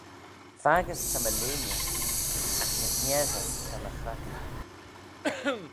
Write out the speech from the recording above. Faggys ta my lheiney, agh ny sniessey ta my chrackan